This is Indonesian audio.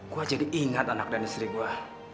gue jadi ingat anak dan istri gue